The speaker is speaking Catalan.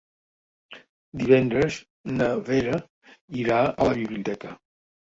Divendres na Vera irà a la biblioteca.